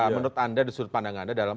menurut anda di sudut pandang anda dalam